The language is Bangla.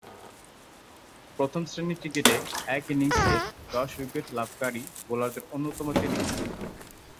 প্রথম-শ্রেণীর ক্রিকেটে এক ইনিংসে দশ উইকেট লাভকারী বোলারদের অন্যতম তিনি।